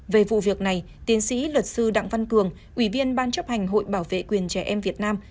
về vụ việc này tiến sĩ luật sư đặng văn cường ủy viên ban chấp hành hội bảo vệ quyền trẻ em việt nam